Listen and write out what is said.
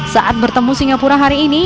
saat bertemu singapura hari ini